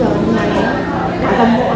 đấy bây giờ hôm nay cả dòng họ luôn